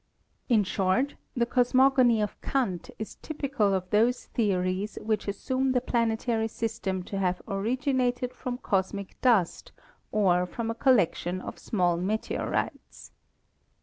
In short, the cosmogony of Kant is typical of those theories which assume the planetary system to have originated from cosmic dust or from a collection of small meteorites.